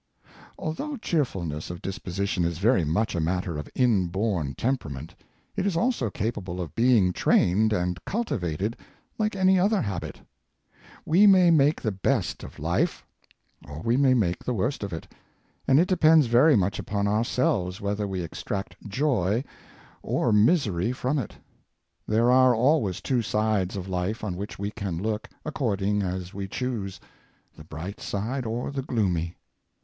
Although cheerfulness of disposition is very much a matter of inborn temperament, it is also capable of be ing trained and cultivated like any other habit. We may make the best of life, or we may make the worst of it; and it depends very much upon ourselves whether we extract joy or misery from it. There are always two sides of life on which we can look, according as we choose — the bright side or the gloomy.